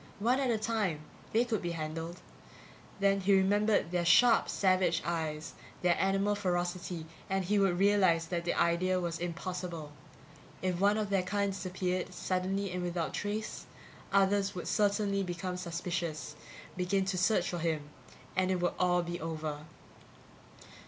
One at a time, they could be handled. Then he'd remember their sharp savage eyes, their animal ferocity, and he would realize that the idea was impossible. If one of their kind disappeared, suddenly and without trace, others would certainly become suspicious, begin to search for him and it would all be over.